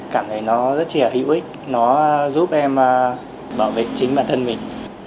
cảm thấy nó rất là hữu ích nó giúp em bảo vệ chính bản thân mình